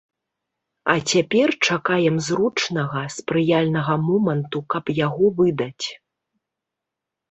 А цяпер чакаем зручнага, спрыяльнага моманту, каб яго выдаць.